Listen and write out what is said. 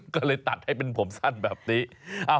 ก็เลยตัดให้เป็นผมสั้นแบบนี้